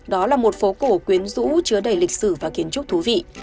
đó là một phố cổ quyến rũ chứa đầy lịch sử và kiến trúc thú vị